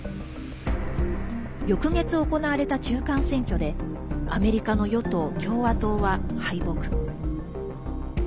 翌月行われた中間選挙でアメリカの与党・共和党は敗北。